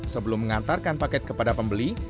sebelum mengantarkan paket kepada pembeli